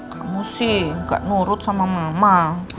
kamu sih gak nurut sama mama